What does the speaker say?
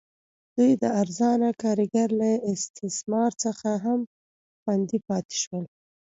دوی د ارزانه کارګرو له استثمار څخه هم خوندي پاتې شول.